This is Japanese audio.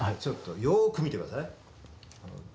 ちょっとよく見て下さい。